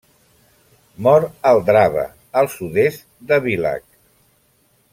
Mor al Drava, al sud-est de Villach.